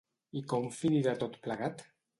I com finirà tot plegat?